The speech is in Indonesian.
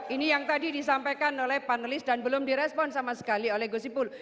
ini yang tadi disampaikan oleh panelis dan belum direspon sama sekali oleh gus ipul